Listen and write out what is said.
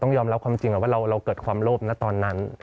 ยอมรับความจริงว่าเราเกิดความโลภนะตอนนั้น